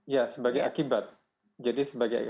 ya sebagai akibat jadi sebagai